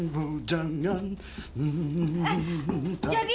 lagi lagi abis itu dia jadi kutu